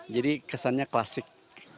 jadi kesannya klasik